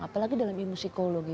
apalagi dalam ilmu psikologi